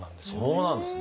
そうなんですね。